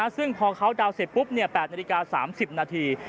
ซึ่งพอเขาดาวน์เสร็จปุ๊บ๘นาฬิกา๓๐นาที